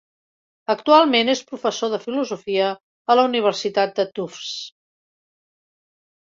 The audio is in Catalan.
Actualment és professor de Filosofia a la Universitat de Tufts.